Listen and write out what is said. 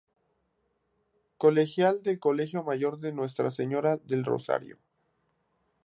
Colegial del Colegio Mayor de Nuestra Señora del Rosario.